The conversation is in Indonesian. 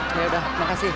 ya udah makasih